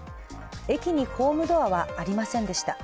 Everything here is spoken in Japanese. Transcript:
駅にホームドアはありませんでした。